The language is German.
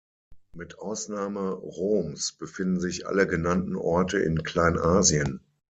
Mit Ausnahme Roms befinden sich alle genannten Orte in Kleinasien.